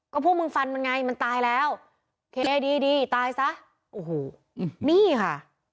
ก็พวกมึงฟันมันไงมันตายแล้วเคดีดีตายซะโอ้โหนี่ค่ะ